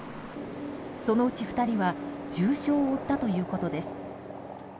そのうち２人は重傷を負ったということです。